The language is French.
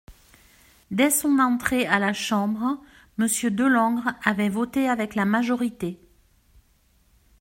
Dès son entrée à la Chambre, Monsieur Delangre avait voté avec la majorité.